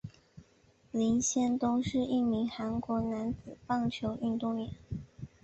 林仙东是一名韩国男子棒球运动员。